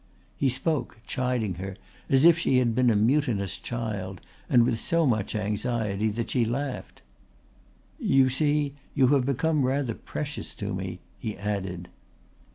He spoke, chiding her as if she had been a mutinous child, and with so much anxiety that she laughed. "You see, you have become rather precious to me," he added.